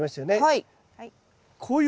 はい。